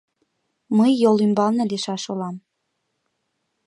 Мый йол ӱмбалне лийшаш улам.